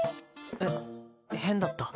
えっ変だった？